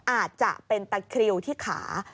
อาจจะเป็นตะคริวที่ขา